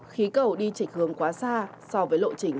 khí cầu đi trịch hướng quá xa so với lộ trình